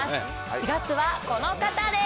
４月はこの方です。